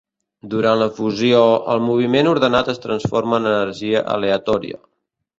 Durant la fusió, el moviment ordenat es transforma en energia aleatòria.